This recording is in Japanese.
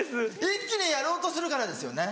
一気にやろうとするからですよね。